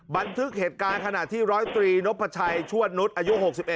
บันทึกเหตุการณ์ขณะที่ร้อยตรีนพชัยชวดนุษย์อายุ๖๑